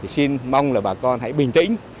xin mong là bà con hãy bình tĩnh